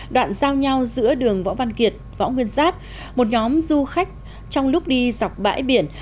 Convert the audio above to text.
đoạn giao nhau giữa đường võ văn kiệt võ nguyên giáp một nhóm du khách trong lúc đi dọc bãi biển